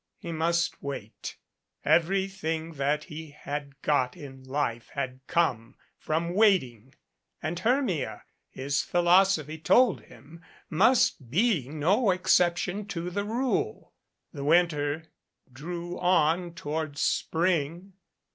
He must wait. Everything that he had got in life had come from waiting and Hermia, his philosophy told him, must be no excep tion to the rule. The winter drew on toward spring.